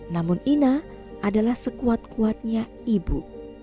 namun ina adalah sekuat kuatnya ibu